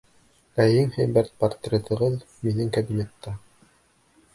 Ә иң һәйбәт портретығыҙ минең кабинетта.